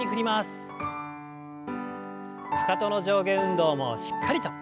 かかとの上下運動もしっかりと。